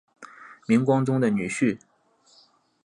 明光宗的女婿。